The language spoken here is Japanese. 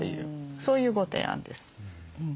そういうご提案です。